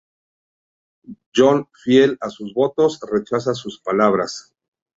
Jon, fiel a sus votos, rechaza sus palabras.